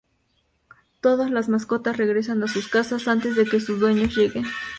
Todos las mascotas regresan en sus casas antes de que sus dueños lleguen.